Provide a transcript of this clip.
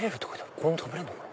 これも食べれんのかな。